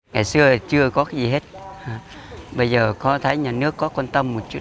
ngày xưa chưa có cái gì hết bây giờ có thấy nhà nước có quan tâm một chút